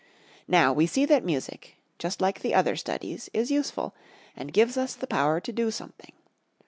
Now we see that music, just like the other studies, is useful and gives us the power to do something.